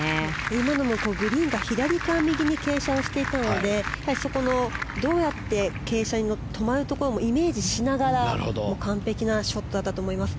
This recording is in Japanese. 今のもグリーンが左から右に傾斜していたのでそこの、どうやって傾斜に乗って止まるところもイメージしながら完璧なショットだと思います。